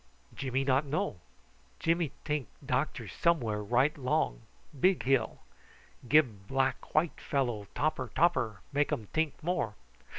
"Jimmy no know. Jimmy tink doctor somewhere right long big hill. Gib black white fellow topper topper make um tink more."